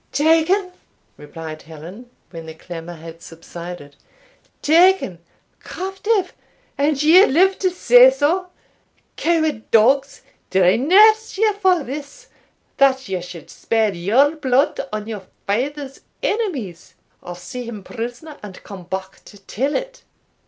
"Taken!" repeated Helen, when the clamour had subsided "Taken! captive! and you live to say so? Coward dogs! did I nurse you for this, that you should spare your blood on your father's enemies? or see him prisoner, and come back to tell it?"